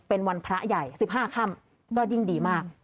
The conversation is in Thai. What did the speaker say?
เป็นวันพระใหญ่๑๕ค่ำก็ยิ่งดีมาก